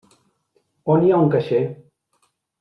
On hi ha un caixer?